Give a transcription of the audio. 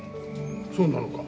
そうなのか？